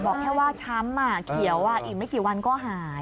บอกแค่ว่าช้ำเขียวอีกไม่กี่วันก็หาย